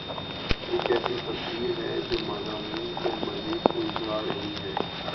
یہ کیسی تفسیر ہے جو مضامین کو مزید الجھا رہی ہے؟